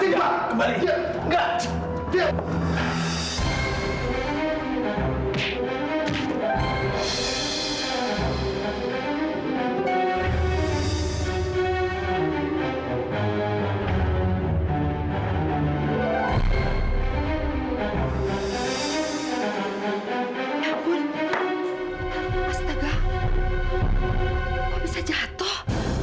ya ampun astaga gua bisa jatuh